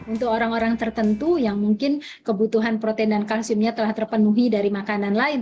untuk orang orang tertentu yang mungkin kebutuhan protein dan kalsiumnya telah terpenuhi dari makanan lain